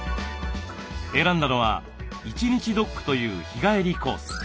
選んだのは１日ドックという日帰りコース。